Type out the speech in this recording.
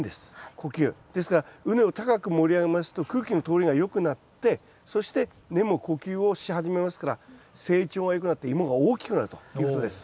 呼吸。ですから畝を高く盛り上げますと空気の通りがよくなってそして根も呼吸をし始めますから成長がよくなってイモが大きくなるということです。